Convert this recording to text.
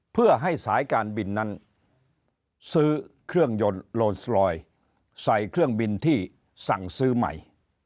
เพื่อให้สายการบินนั้นซื้อเครื่องยนต์โลนสลอยใส่เครื่องบินที่สั่งซื้อใหม่